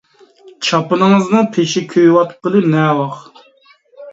چاپىنىڭىزنىڭ پېشى كۆيۈۋاتقىلى نەۋاخ.